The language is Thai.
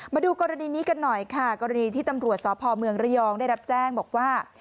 มาดูกรณีนี้กันหน่อยค่ะกรณีที่ตำรวจสพเมืองระยองได้รับแจ้งบอกว่า